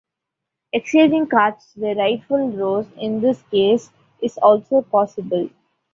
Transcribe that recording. Exchanging cards to their rightful rows in this case is also possible.